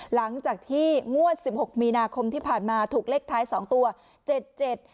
หลังจากที่งวดสิบหกมีนาคมที่ผ่านมาถูกเลขท้ายสองตัวเจ็ดเจ็ด